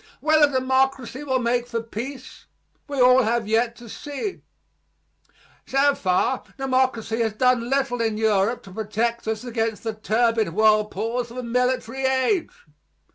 Whether democracy will make for peace, we all have yet to see. So far democracy has done little in Europe to protect us against the turbid whirlpools of a military age.